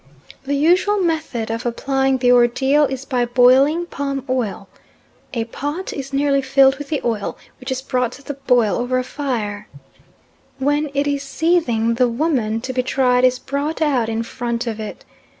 The usual method of applying the ordeal is by boiling palm oil a pot is nearly filled with the oil, which is brought to the boil over a fire; when it is seething, the woman to be tried is brought out in front of it.